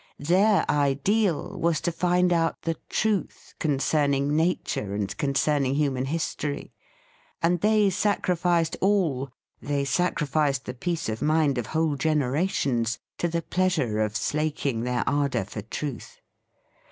Their ideal was to find out the truth concern ing nature and concerning human his tory; and they sacrificed all — they sac rificed the peace of mind of whole gen erations — to the pleasure of slaking their ardour for truth.